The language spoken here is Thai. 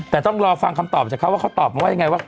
แต่ต้องรอฟังคำตอบจากเขาว่าเขาตอบมาว่ายังไงว่า